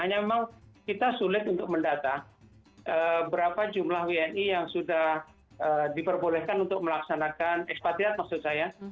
hanya memang kita sulit untuk mendata berapa jumlah bni yang sudah diperbolehkan untuk melaksanakan ekspatriat maksud saya